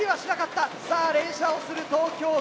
さあ連射をする東京Ｂ。